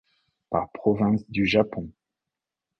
Par provinces du Japon.